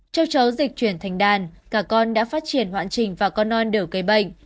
châu chấu dịch chuyển thành đàn cả con đã phát triển hoạn trình và con non đều gây bệnh